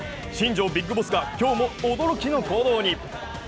新庄ビッグボスが今日も驚きの行動に。